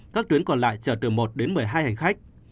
còn lại chở từ một đến một mươi hai hành khách